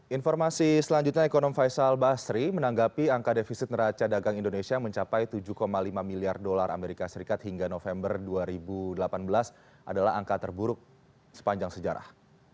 informasi selanjutnya ekonom faisal basri menanggapi angka defisit neraca dagang indonesia mencapai tujuh lima miliar dolar amerika serikat hingga november dua ribu delapan belas adalah angka terburuk sepanjang sejarah